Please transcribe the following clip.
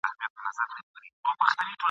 هر یو مي د زړه په خزانه کي دی منلی !.